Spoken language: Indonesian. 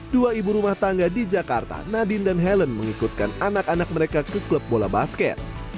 dua ibu rumah tangga di jakarta nadine dan helen mengikutkan anak anak mereka ke klub bola basket